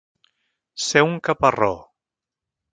Ser un caparró.